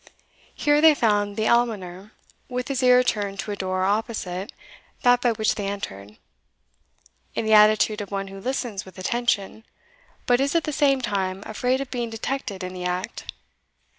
Here they found the almoner, with his ear turned to a door opposite that by which they entered, in the attitude of one who listens with attention, but is at the same time afraid of being detected in the act.